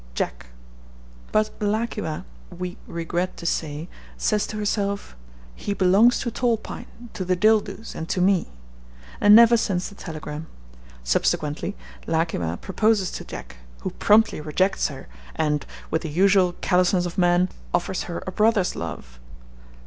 JACK. But La ki wa, we regret to say, says to herself, 'He belongs to Tall Pine, to the Dildoos, and to me,' and never sends the telegram. Subsequently, La ki wa proposes to Jack who promptly rejects her and, with the usual callousness of men, offers her a brother's love.